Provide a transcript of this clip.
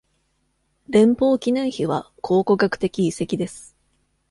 連邦記念碑は考古学的遺跡です。